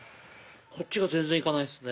こっちが全然いかないですね。